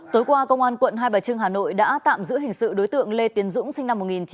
tối qua công an quận hai bà trưng hà nội đã tạm giữ hình sự đối tượng lê tiến dũng sinh năm một nghìn chín trăm tám mươi